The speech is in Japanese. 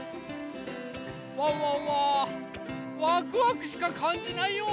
ワンワンはワクワクしかかんじないよ！